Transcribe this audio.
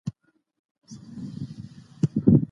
پوهه بايد له نورو سره شريکه شي.